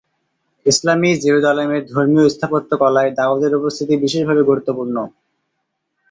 ইসলামী জেরুজালেমের ধর্মীয় স্থাপত্যকলায় দাউদের উপস্থিতি বিশেষভাবে গুরুত্বপূর্ণ।